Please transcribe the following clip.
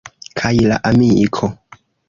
Kaj la amiko!